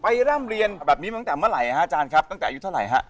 ร่ำเรียนแบบนี้มาตั้งแต่เมื่อไหร่ฮะอาจารย์ครับตั้งแต่อายุเท่าไหร่ฮะ